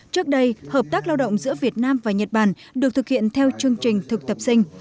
trước đây hợp tác lao động giữa việt nam và nhật bản được thực hiện theo chương trình thực tập sinh